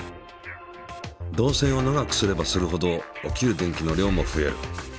導線を長くすればするほど起きる電気の量も増える。